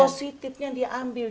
nature positifnya diambil